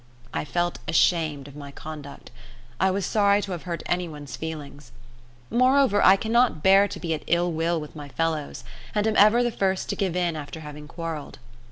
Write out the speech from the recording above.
I felt ashamed of my conduct; I was sorry to have hurt any one's feelings. Moreover, I cannot bear to be at ill will with my fellows, and am ever the first to give in after having quarrelled.